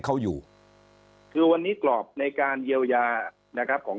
เขาอยู่คือวันนี้กรอบในการเยียวยานะครับของ